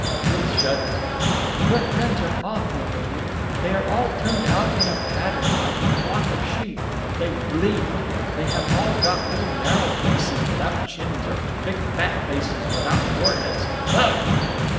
Ruth shuddered. "Your friends are awful, Bailey. They are all turned out on a pattern, like a flock of sheep. They bleat. They have all got little, narrow faces without chins or big, fat faces without foreheads. Ugh!"